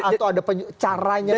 atau ada caranya